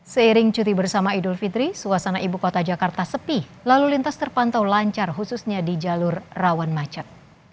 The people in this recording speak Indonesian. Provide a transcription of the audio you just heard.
seiring cuti bersama idul fitri suasana ibu kota jakarta sepi lalu lintas terpantau lancar khususnya di jalur rawan macet